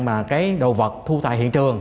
mà cái đồ vật thu tại hiện trường